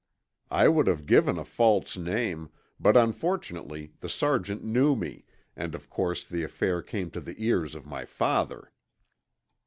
I would have given a false name but unfortunately the Sergeant knew me, and of course the affair came to the ears of my father.